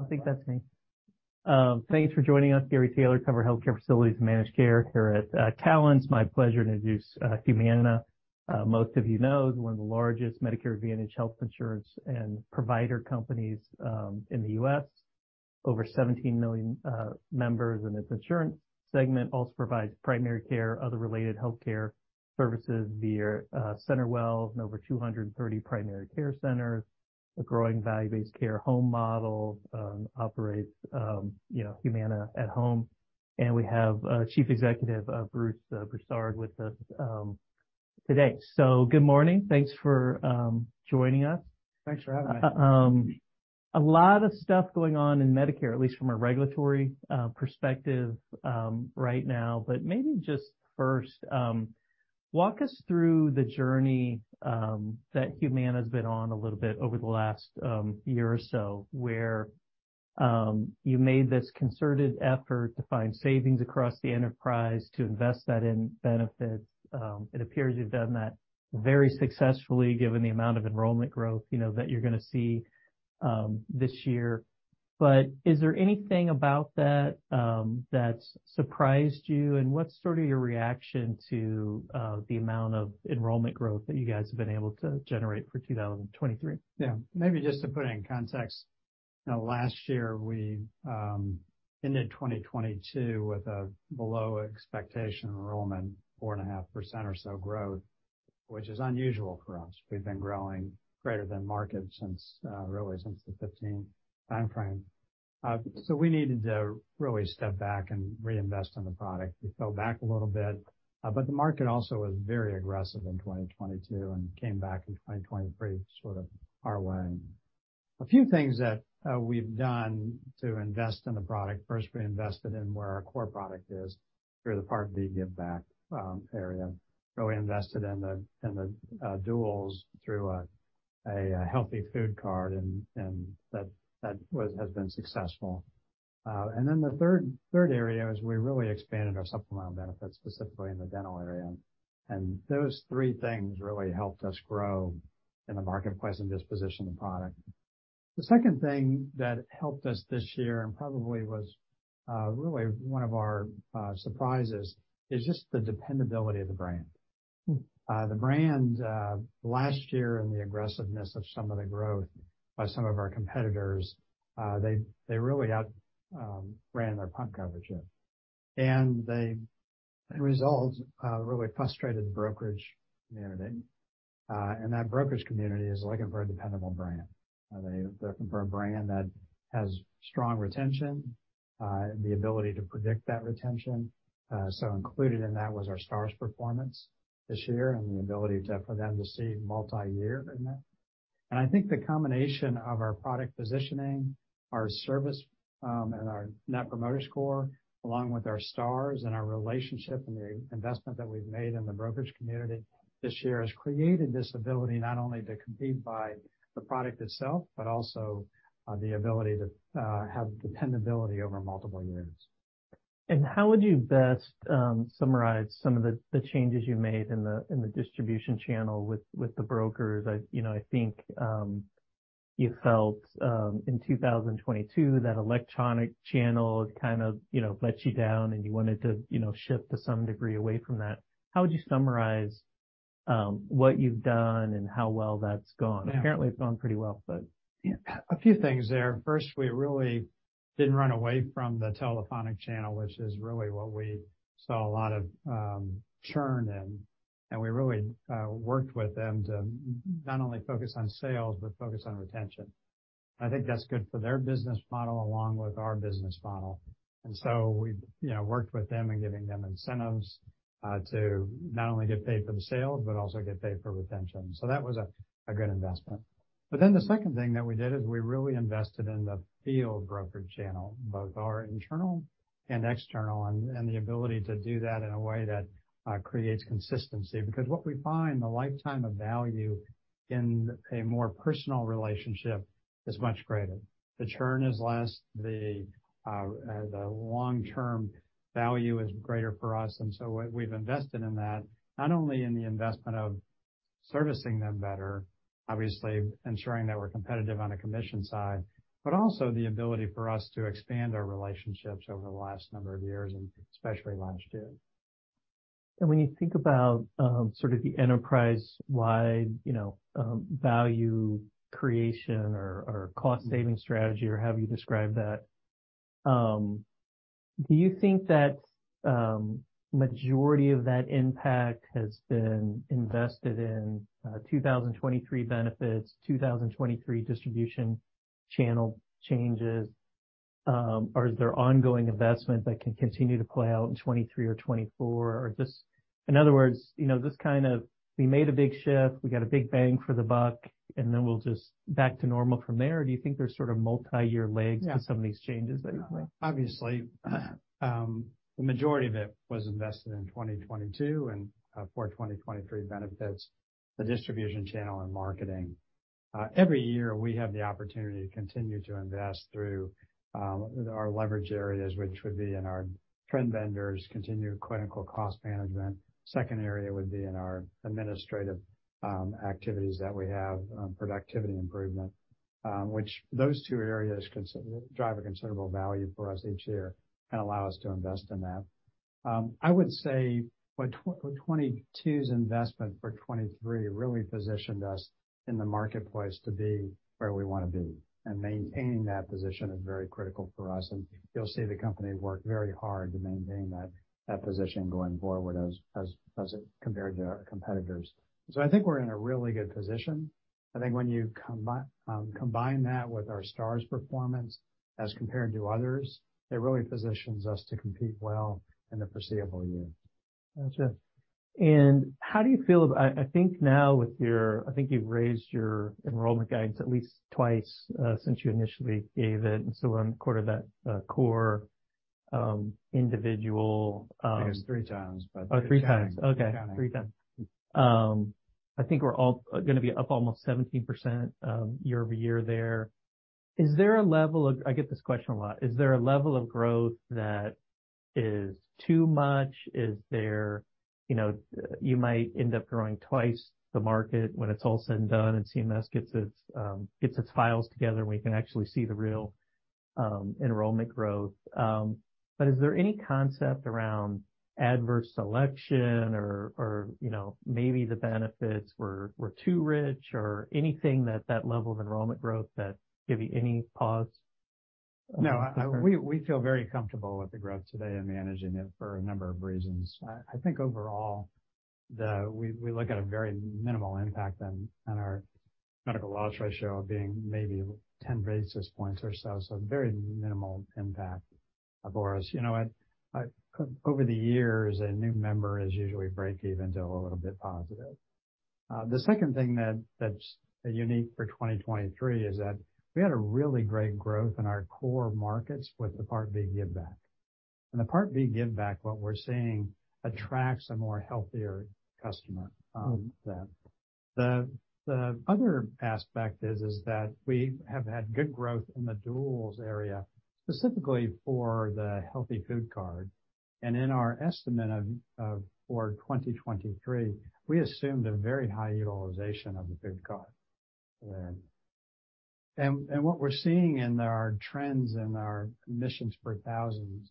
I think that's me. Thanks for joining us, Gary Taylor, cover healthcare facilities and managed care here at Cowen. My pleasure to introduce Humana. Most of you know, one of the largest Medicare Advantage Health Insurance and Provider companies in the U.S. Over 17 million members in its insurance segment, also provides primary care, other related healthcare services via CenterWell, over 230 primary care centers, a growing value-based care home model, operates, you know, Humana at Home. We have Chief Executive Bruce Broussard with us today. Good morning. Thanks for joining us. Thanks for having us. A lot of stuff going on in Medicare, at least from a regulatory perspective, right now. Maybe just first, walk us through the journey that Humana has been on a little bit over the last year or so, where you made this concerted effort to find savings across the enterprise to invest that in benefits. It appears you've done that very successfully, given the amount of enrollment growth, you know, that you're gonna see this year. Is there anything about that that's surprised you? And what's sort of your reaction to the amount of enrollment growth that you guys have been able to generate for 2023? Maybe just to put in context. Last year, we ended 2022 with a below expectation enrollment, 4.5% or so growth, which is unusual for us. We've been growing greater than market since really since the 2015 time frame. We needed to really step back and reinvest in the product. We fell back a little bit, but the market also was very aggressive in 2022 and came back in 2023, sort of our way. A few things that we've done to invest in the product. First, we invested in where our core product is through the Part D giveback area. We invested in the duals through a Healthy Food Card, and that has been successful. Then the third area is we really expanded our supplemental benefits, specifically in the dental area. Those three things really helped us grow in the marketplace and just position the product. The second thing that helped us this year, and probably was really one of our surprises, is just the dependability of the brand. The brand last year and the aggressiveness of some of the growth by some of our competitors, they really outran their plan coverage in. They result really frustrated the brokerage community, and that brokerage community is looking for a dependable brand. They're looking for a brand that has strong retention, the ability to predict that retention. Included in that was our Stars performance this year and the ability for them to see multi-year in that. I think the combination of our product positioning, our service, and our Net Promoter Score, along with our Stars and our relationship and the investment that we've made in the brokerage community this year, has created this ability not only to compete by the product itself, but also the ability to have dependability over multiple years. How would you best summarize some of the changes you made in the distribution channel with the brokers? I, you know, I think you felt in 2022 that electronic channel kind of, you know, let you down and you wanted to, you know, shift to some degree away from that. How would you summarize what you've done and how well that's gone? Yeah. Apparently, it's gone pretty well, but. Yeah. A few things there. First, we really didn't run away from the telephonic channel, which is really what we saw a lot of churn in. We really worked with them to not only focus on sales, but focus on retention. I think that's good for their business model along with our business model. We, you know, worked with them in giving them incentives to not only get paid for the sales, but also get paid for retention. That was a good investment. The second thing that we did is we really invested in the field brokerage channel, both our internal and external, and the ability to do that in a way that creates consistency. Because what we find the lifetime of value in a more personal relationship is much greater. The churn is less, the long-term value is greater for us. What we've invested in that, not only in the investment of servicing them better, obviously ensuring that we're competitive on a commission side, but also the ability for us to expand our relationships over the last number of years and especially last year. When you think about, sort of the enterprise-wide, you know, value creation or cost saving strategy or however you describe that, do you think that, majority of that impact has been invested in, 2023 benefits, 2023 distribution channel changes? Or is there ongoing investment that can continue to play out in 2023 or 2024? In other words, you know, this kind of, we made a big shift, we got a big bang for the buck, and then we'll just back to normal from there. Do you think there's sort of multi-year legs? Yeah. To some of these changes that you made? Obviously, the majority of it was invested in 2022 and for 2023 benefits, the Distribution Channel and Marketing. Every year, we have the opportunity to continue to invest through our leverage areas, which would be in our trend vendors, continued clinical cost management. Second area would be in our administrative activities that we have productivity improvement, which those two areas drive a considerable value for us each year and allow us to invest in that. I would say what 2022's investment for 2023 really positioned us in the marketplace to be where we want to be. Maintaining that position is very critical for us, and you'll see the company work very hard to maintain that position going forward as compared to our competitors. I think we're in a really good position. I think when you combine that with our Stars performance as compared to others, it really positions us to compete well in the foreseeable years. Gotcha. How do you feel, I think you've raised your enrollment guidance at least twice, since you initially gave it. We're in the quarter that core individual I think it's 3x, but. Oh, 3x. Okay. 3x. I think we're gonna be up almost 17% year-over-year there. I get this question a lot. Is there a level of growth that is too much? You know, you might end up growing twice the market when it's all said and done, and CMS gets its files together, and we can actually see the real enrollment growth. Is there any concept around adverse selection or, you know, maybe the benefits were too rich or anything that level of enrollment growth that give you any pause? No. We feel very comfortable with the growth today and managing it for a number of reasons. I think overall, we look at a very minimal impact on our Medical Loss Ratio being maybe 10 basis points or so. Very minimal impact for us. You know what? Over the years, a new member is usually breakeven to a little bit positive. The second thing that's unique for 2023 is that we had a really great growth in our core markets with the Part B giveback. The Part B giveback, what we're seeing, attracts a more healthier customer. The other aspect is that we have had good growth in the duals area, specifically for the Healthy Food Card. In our estimate for 2023, we assumed a very high utilization of the food card. Mm. What we're seeing in our trends and our admissions per thousand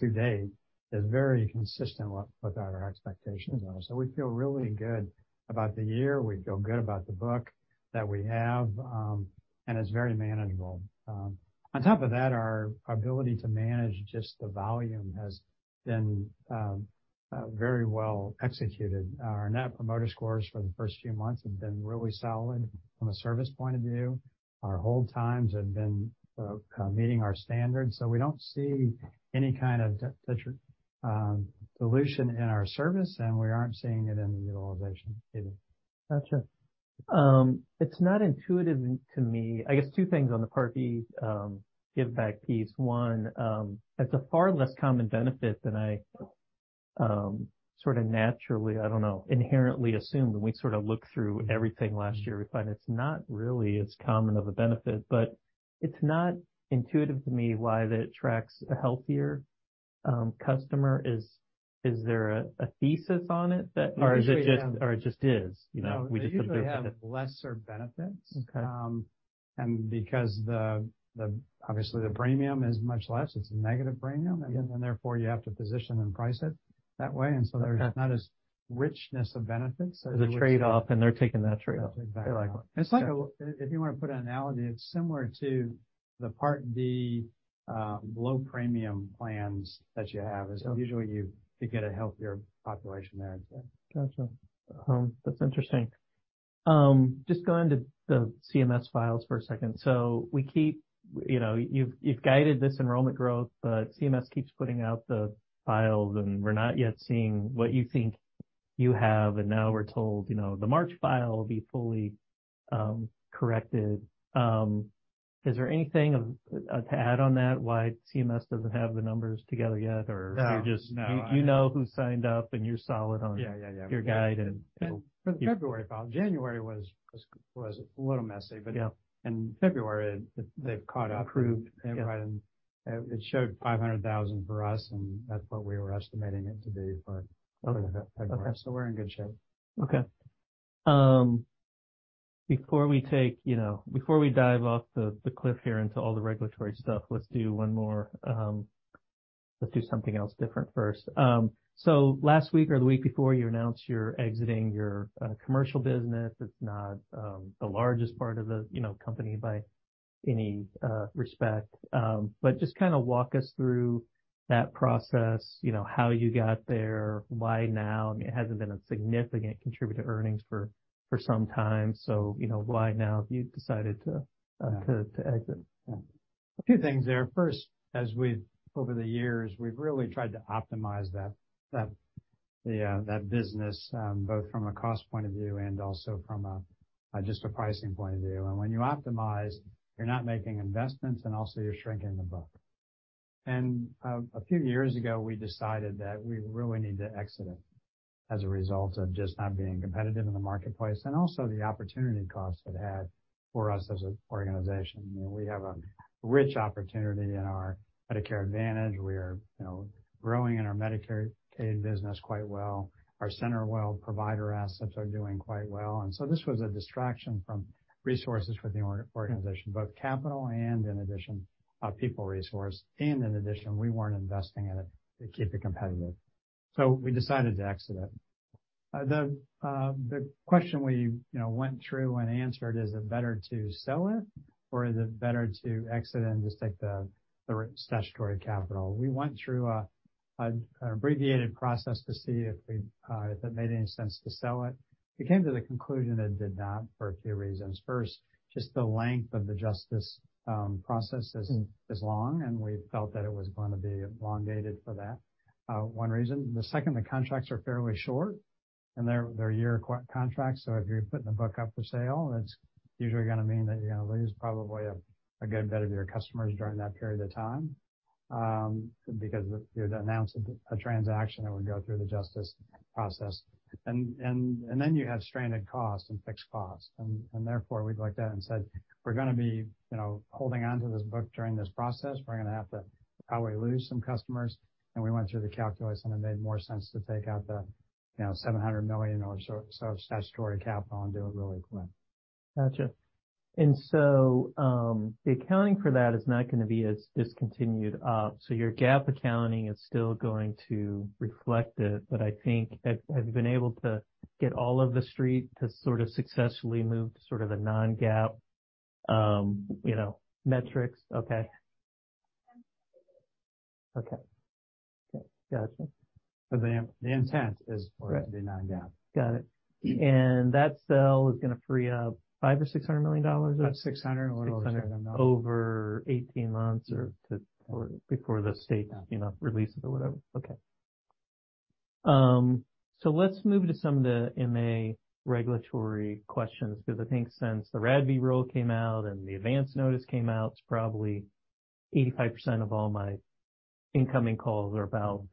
to date is very consistent with our expectations on it. We feel really good about the year, we feel good about the book that we have, and it's very manageable. On top of that, our ability to manage just the volume has been very well executed. Our Net Promoter Scores for the first few months have been really solid from a service point of view. Our hold times have been meeting our standards. We don't see any kind of dilution in our service, and we aren't seeing it in the utilization either. Gotcha. It's not intuitive to me. I guess two things on the Part B giveback piece. One, it's a far less common benefit than I sort of naturally, I don't know, inherently assume when we sort of look through everything last year, we find it's not really as common of a benefit, but it's not intuitive to me why that attracts a healthier customer. Is there a thesis on it that or is it just, or it just is, you know, we just observe that. They usually have lesser benefits. Okay. Because the obviously the premium is much less, it's a negative premium. Yeah. Therefore, you have to position and price it that way. Okay. There's not as richness of benefits. There's a trade-off, and they're taking that trade-off. It's like If you want to put an analogy, it's similar to the Part D low premium plans that you have. Okay. Usually you get a healthier population there. Gotcha. That's interesting. Just going to the CMS files for a second. We keep, you know, you've guided this enrollment growth, but CMS keeps putting out the files, and we're not yet seeing what you think you have. Now we're told, you know, the March file will be fully corrected. Is there anything to add on that, why CMS doesn't have the numbers together yet? Or- No. You're just- No. You, you know who signed up, and you're solid on- Yeah, yeah. Your guide. For the February file. January was a little messy. Yeah. In February, they've caught up. Approved. Yeah. It showed $500,000 for us, and that's what we were estimating it to be, but. Okay. We're in good shape. Okay. Before we take, you know, before we dive off the cliff here into all the regulatory stuff, let's do one more. Let's do something else different first. Last week or the week before, you announced you're exiting your commercial business. It's not the largest part of the, you know, company by any respect. Just kind of walk us through that process, you know, how you got there, why now? I mean, it hasn't been a significant contributor to earnings for some time. You know, why now have you decided to exit? A few things there. First, as we've over the years, we've really tried to optimize that, yeah, that business, both from a cost point of view and also from a just a pricing point of view. When you optimize, you're not making investments, and also you're shrinking the book. A few years ago, we decided that we really need to exit it as a result of just not being competitive in the marketplace and also the opportunity costs it had for us as an organization. You know, we have a rich opportunity in our Medicare Advantage. We are, you know, growing in our Medicaid business quite well. Our CenterWell provider assets are doing quite well. This was a distraction from resources for the organization, both capital and in addition, people resource. In addition, we weren't investing in it to keep it competitive. We decided to exit it. The question we, you know, went through and answered, is it better to sell it or is it better to exit and just take the Statutory Capital? We went through an abbreviated process to see if it made any sense to sell it. We came to the conclusion it did not for a few reasons. First, just the length of the justice process is long, and we felt that it was going to be elongated for that one reason. The second, the contracts are fairly short, and they're year contracts, so if you're putting the book up for sale, it's usually gonna mean that you're gonna lose probably a good bit of your customers during that period of time. Because you'd announce a transaction that would go through the justice process. You have stranded costs and fixed costs. Therefore, we'd looked at it and said, "We're gonna be, you know, holding on to this book during this process. We're gonna have to probably lose some customers." We went through the calculus, and it made more sense to take out the, you know, $700 million or so Statutory Capital and do it really quick. Gotcha. The accounting for that is not gonna be as discontinued. Your GAAP accounting is still going to reflect it, but I think have you been able to get all of the street to sort of successfully move to sort of a non-GAAP, you know, metrics? Okay. Okay. Gotcha. The intent is for it to be non-GAAP. Got it. That sale is gonna free up $500 million or $600 million? About $600 million or a little less than that. Over 18 months or or before the state, you know, releases it or whatever. Okay. Let's move to some of the MA regulatory questions, because I think since the RADV rule came out and the advance notice came out, it's probably 85% of all my incoming calls are about,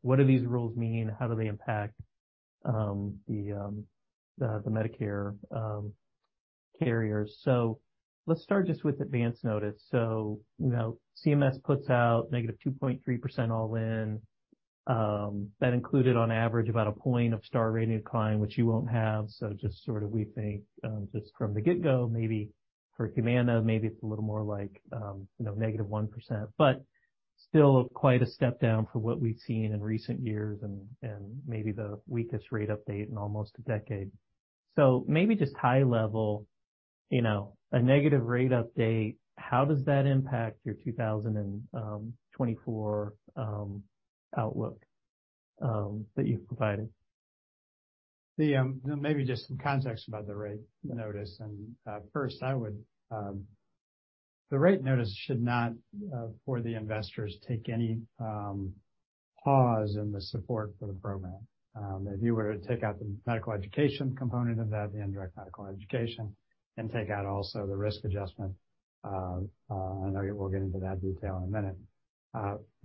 what do these rules mean? How do they impact, the Medicare carriers? Let's start just with advance notice. You know, CMS puts out -2.3% all in. That included on average about a point of Star Rating decline, which you won't have. Just sort of we think, just from the get-go, maybe for Humana, maybe it's a little more like, you know, -1%, but still quite a step down from what we've seen in recent years and maybe the weakest rate update in almost a decade. Maybe just high level, you know, a negative rate update, how does that impact your 2024 outlook that you've provided? The maybe just some context about the Rate Notice. First, the Rate Notice should not for the investors take any pause in the support for the program. If you were to take out the Medical Education component of that, the Indirect Medical Education, and take out also the Risk Adjustment, I know we'll get into that detail in a minute.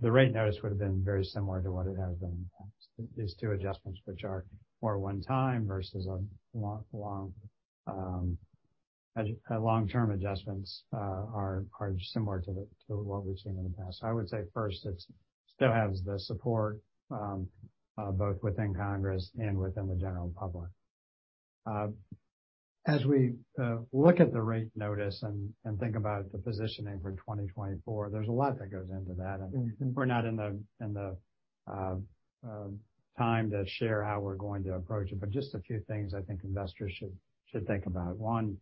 The Rate Notice would have been very similar to what it has been in the past. These two adjustments, which are more one-time versus a long, long-term adjustments, are similar to the, to what we've seen in the past. I would say first, it still has the support both within Congress and within the general public. As we look at the Rate Notice and think about the positioning for 2024, there's a lot that goes into that. Mm-hmm. We're not in the time to share how we're going to approach it, but just a few things I think investors should think about. One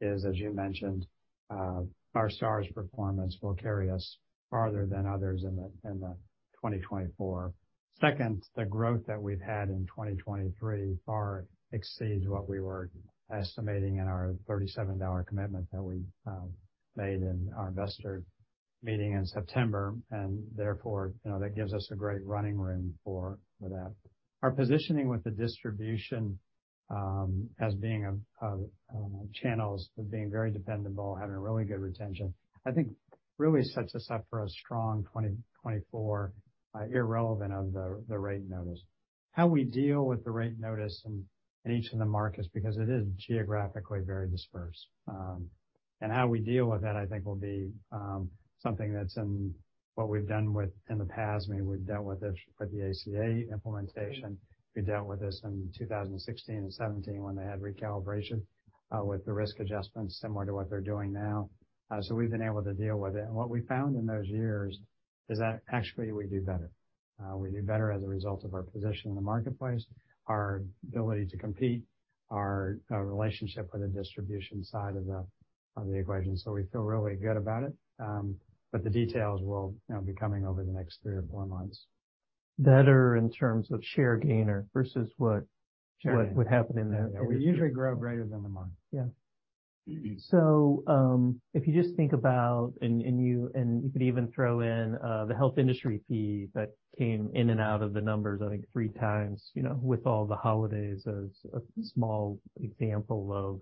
is, as you mentioned, our Stars performance will carry us farther than others in the 2024. Second, the growth that we've had in 2023 far exceeds what we were estimating in our $37 commitment that we made in our Investor Meeting in September. Therefore, you know, that gives us a great running room for that. Our positioning with the distribution as being channels of being very dependable, having really good retention, I think really sets us up for a strong 2024, irrelevant of the Rate Notice. How we deal with the Rate Notice in each of the markets, because it is geographically very dispersed. How we deal with that, I think, will be something that's in what we've done with in the past. I mean, we've dealt with this with the ACA implementation. We dealt with this in 2016 and 2017 when they had recalibration with the Risk Adjustments similar to what they're doing now. We've been able to deal with it. What we found in those years is that actually we do better. We do better as a result of our position in the marketplace, our ability to compete, our relationship with the distribution side of the equation. We feel really good about it. The details will, you know, be coming over the next 3 or 4 months. Better in terms of share gain or versus what would happen in the? We usually grow greater than the market. If you just think about, and you, and you could even throw in the health industry fee that came in and out of the numbers, I think, 3x, you know, with all the holidays as a small example of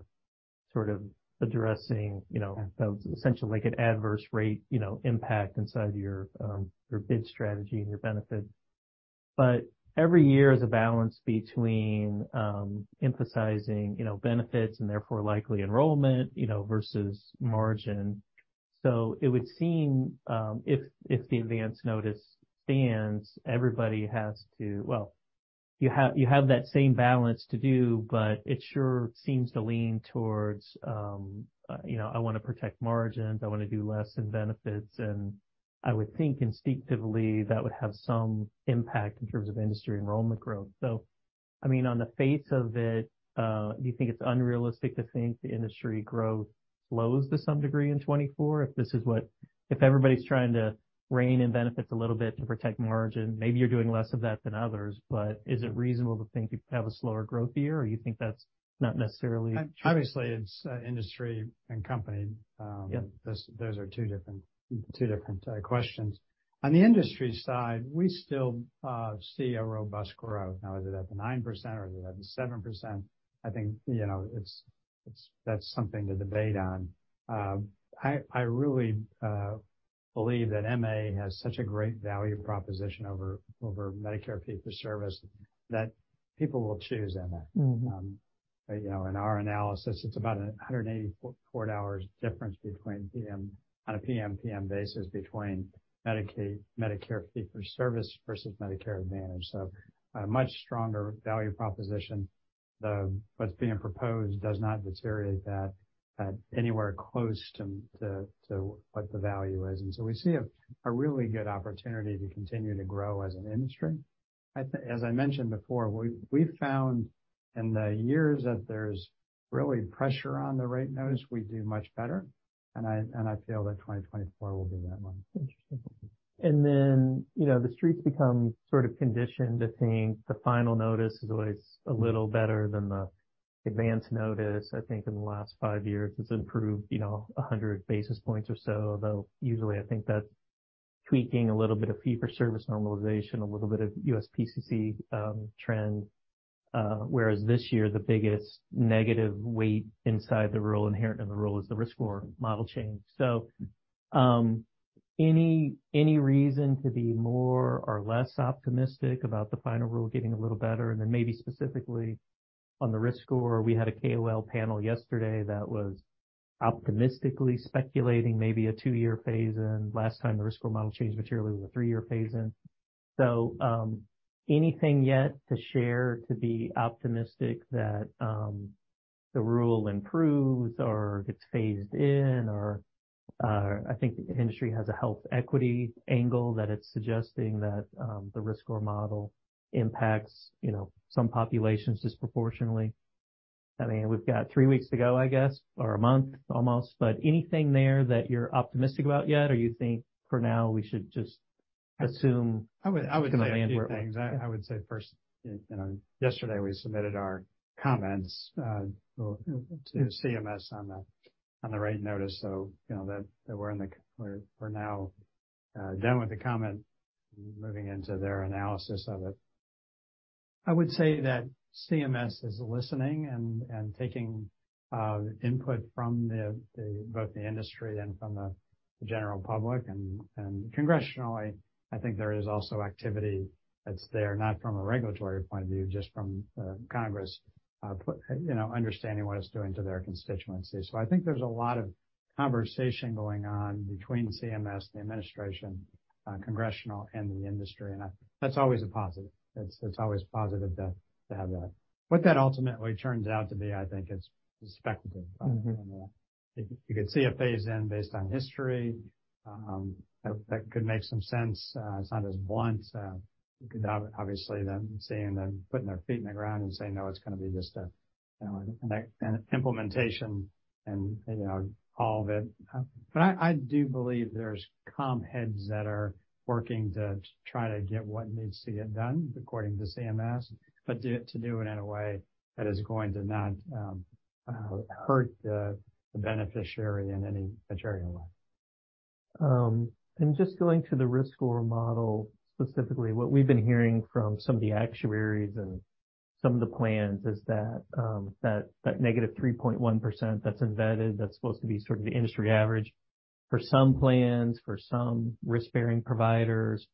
sort of addressing, you know, those essentially like an adverse rate, you know, impact inside your bid strategy and your benefits. Every year is a balance between emphasizing, you know, benefits and therefore likely enrollment, you know, versus margin. It would seem, if the advance notice stands, everybody has to. Well, you have that same balance to do, but it sure seems to lean towards, you know, I wanna protect margins, I wanna do less in benefits. I would think instinctively that would have some impact in terms of industry enrollment growth. I mean, on the face of it, do you think it's unrealistic to think the industry growth slows to some degree in 2024? If everybody's trying to rein in benefits a little bit to protect margin, maybe you're doing less of that than others. Is it reasonable to think you could have a slower growth year, or you think that's not necessarily true? Obviously, it's industry and company. Yeah. Those are two different questions. On the industry side, we still see a robust growth. Now, is it at the 9% or is it at the 7%? I think, you know, that's something to debate on. I really believe that MA has such a great value proposition over Medicare Fee-for-Service, that people will choose MA. Mm-hmm. You know, in our analysis, it's about a $184 difference on a PMPM basis between Medicare Fee-for-Service versus Medicare Advantage. A much stronger value proposition. What's being proposed does not deteriorate that anywhere close to what the value is. We see a really good opportunity to continue to grow as an industry. As I mentioned before, we've found in the years that there's really pressure on the rate notice, we do much better, and I feel that 2024 will be that one. Interesting. You know, the streets become sort of conditioned to think the final notice is always a little better than the advance notice. I think in the last five years, it's improved, you know, 100 basis points or so, although usually I think that's tweaking a little bit of Fee-for-Service normalization, a little bit of USPCC trend, whereas this year, the biggest negative weight inside the rule, inherent in the rule is the Risk Score Model Change. Any reason to be more or less optimistic about the final rule getting a little better? Maybe specifically on the risk score, we had a KOL panel yesterday that was optimistically speculating maybe a 2-year phase-in. Last time the risk score model changed materially was a 3-year phase-in. Anything yet to share to be optimistic that the rule improves or gets phased in? I think the industry has a health equity angle that it's suggesting that the risk score model impacts, you know, some populations disproportionately. I mean, we've got three weeks to go, I guess, or a month almost, but anything there that you're optimistic about yet, or you think for now we should just assume? I would say a few things. I would say first, you know, yesterday we submitted our comments to CMS on the rate notice. You know that we're now done with the comment, moving into their analysis of it. I would say that CMS is listening and taking input from both the industry and from the general public. Congressionally, I think there is also activity that's there, not from a regulatory point of view, just from Congress, you know, understanding what it's doing to their constituency. I think there's a lot of conversation going on between CMS, the administration, congressional and the industry, and that's always a positive. It's always positive to have that. What that ultimately turns out to be, I think, is speculative. Mm-hmm. You could see a phase-in based on history, that could make some sense. It's not as blunt, obviously them seeing them putting their feet in the ground and saying, "No, it's gonna be just a, you know, an implementation," and you know, all of it. I do believe there's calm heads that are working to try to get what needs to get done according to CMS, but to do it in a way that is going to not, hurt the beneficiary in any material way. Just going to the Risk Score Model specifically, what we've been hearing from some of the actuaries and some of the plans is that -3.1% that's embedded, that's supposed to be sort of the industry average. For some plans, for some risk-bearing providers,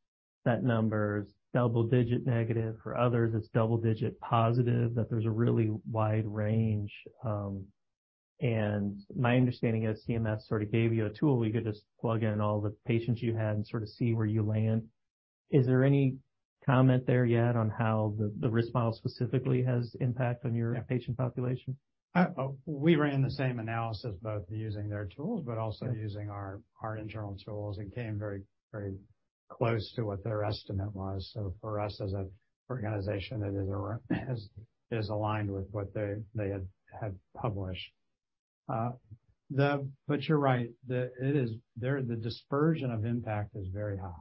that number is double-digit negative, for others, it's double-digit positive, that there's a really wide range. My understanding is CMS sort of gave you a tool where you could just plug in all the patients you had and sort of see where you land. Is there any comment there yet on how the risk model specifically has impact on your patient population? We ran the same analysis, both using their tools but also using our internal tools, and came very, very close to what their estimate was. For us as an organization, it is aligned with what they had published. You're right. The dispersion of impact is very high.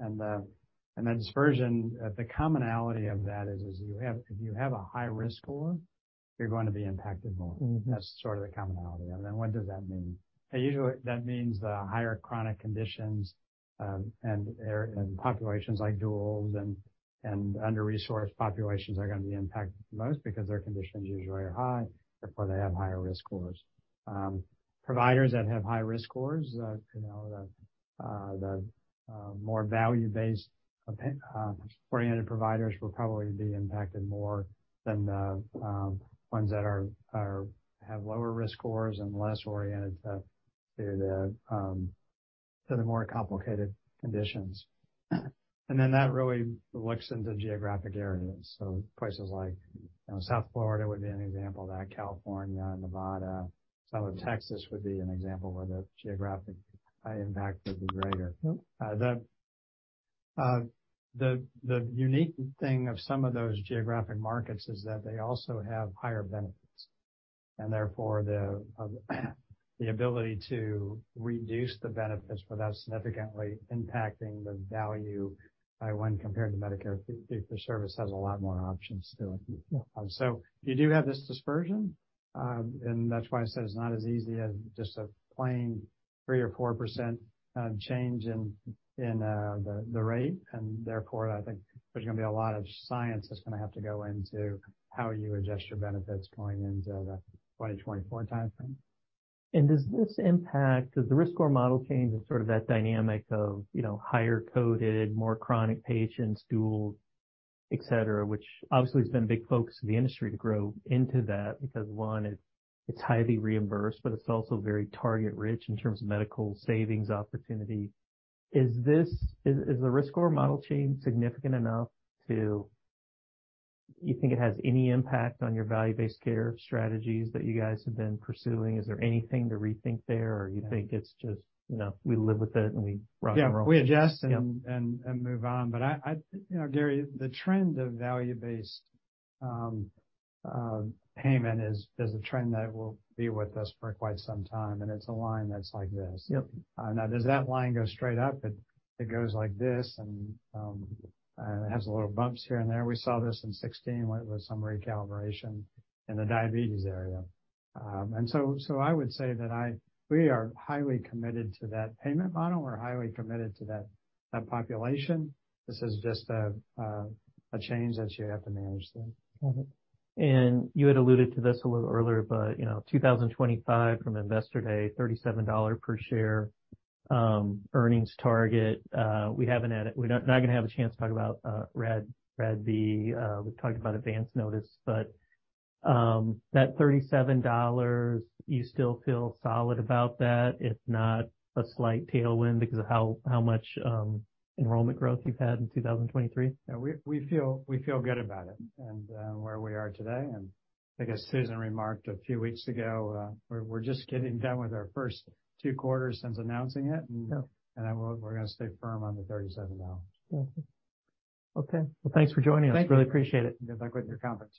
And the dispersion, the commonality of that is if you have a high risk score, you're going to be impacted more. Mm-hmm. That's sort of the commonality. What does that mean? Usually, that means the higher chronic conditions, and populations like duals and under-resourced populations are gonna be impacted most because their conditions usually are high, therefore they have higher risk scores. Providers that have high risk scores, you know, the more value-based oriented providers will probably be impacted more than the ones that have lower risk scores and less oriented to the more complicated conditions. That really looks into geographic areas. Places You know, South Florida would be an example of that, California, Nevada, some of Texas would be an example where the geographic impact would be greater. Yep. The unique thing of some of those geographic markets is that they also have higher benefits. Therefore, the ability to reduce the benefits without significantly impacting the value by when compared to Medicare Fee-for-Service has a lot more options to it. Yeah. You do have this dispersion, and that's why I said it's not as easy as just a plain 3% or 4% change in the rate. I think there's gonna be a lot of science that's gonna have to go into how you adjust your benefits going into the 2024 timeframe. Does the Risk Score Model Change and sort of that dynamic of, you know, higher coded, more chronic patients, dual, et cetera, which obviously has been a big focus of the industry to grow into that because one, it's highly reimbursed, but it's also very target rich in terms of medical savings opportunity. Is the risk score model change significant enough to You think it has any impact on your value-based care strategies that you guys have been pursuing? Is there anything to rethink there or you think it's just, you know, we live with it and we rock and roll? Yeah. Yep. And move on. You know, Gary, the trend of value-based payment is a trend that will be with us for quite some time, and it's a line that's like this. Yep. Now does that line go straight up? It goes like this and it has little bumps here and there. We saw this in 16 with some recalibration in the diabetes area. I would say that we are highly committed to that payment model. We're highly committed to that population. This is just a change that you have to manage then. Got it. You had alluded to this a little earlier, but, you know, 2025 from Investor Day, $37 per share earnings target. We're not gonna have a chance to talk about RADV. We talked about advance notice, but that $37, you still feel solid about that? If not a slight tailwind because of how much enrollment growth you've had in 2023? Yeah. We feel good about it, where we are today. I guess Susan remarked a few weeks ago, we're just getting done with our first two quarters since announcing it. Yep. We're gonna stay firm on the $37. Okay. Well, thanks for joining us. Thank you. Really appreciate it. Good luck with your conference.